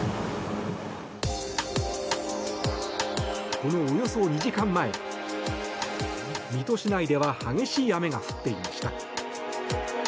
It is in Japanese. このおよそ２時間前水戸市内では激しい雨が降っていました。